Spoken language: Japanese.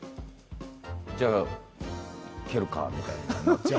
じゃあ、蹴るかみたいな。